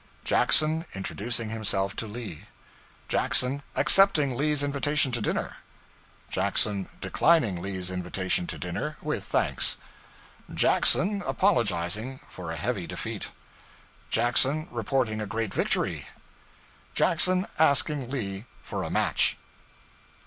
Jackson Introducing Himself to Lee. Jackson Accepting Lee's Invitation to Dinner. Jackson Declining Lee's Invitation to Dinner with Thanks. Jackson Apologizing for a Heavy Defeat. Jackson Reporting a Great Victory. Jackson Asking Lee for a Match.